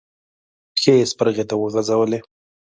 پښې يې سپرغې ته وغزولې.